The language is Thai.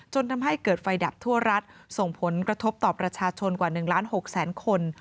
จนทำให้เกิดไฟดับทั่วรัฐส่งผลกระทบต่อประชาชนกว่า๑ล้าน๖แสนคน